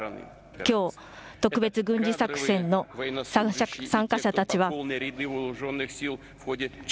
きょう、特別軍事作戦の参加者たちは。